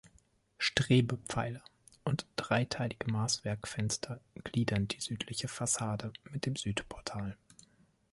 Strebepfeiler und dreiteilige Maßwerkfenster gliedern die südliche Fassade mit dem Südportal.